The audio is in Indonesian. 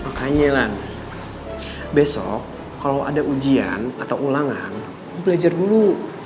makanya lah besok kalau ada ujian atau ulangan belajar dulu